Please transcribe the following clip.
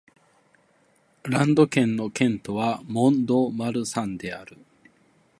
ランド県の県都はモン＝ド＝マルサンである